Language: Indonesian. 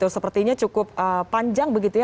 sepertinya cukup panjang antrean kemacetan